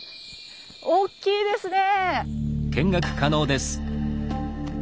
おっきいですね！